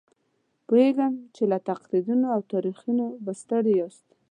پوهېږم چې له تقریرونو او تاریخونو به ستړي یاست.